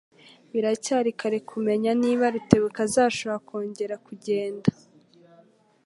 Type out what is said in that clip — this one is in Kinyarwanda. Biracyari kare kumenya niba Rutebuka azashobora kongera kugenda.